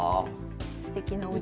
すてきなおうち。